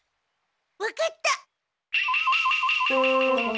わかった。